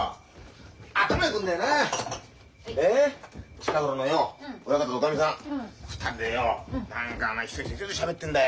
近頃のよ親方とおかみさん２人でよ何かお前ヒソヒソヒソヒソしゃべってんだよ。